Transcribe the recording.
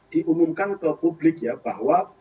diumumkan ke publik bahwa